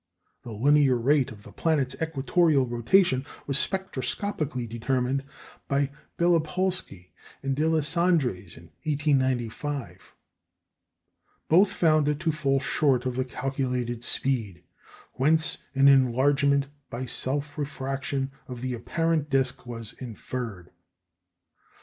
The linear rate of the planet's equatorial rotation was spectroscopically determined by Bélopolsky and Deslandres in 1895. Both found it to fall short of the calculated speed, whence an enlargement, by self refraction, of the apparent disc was inferred.